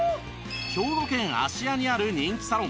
兵庫県芦屋にある人気サロン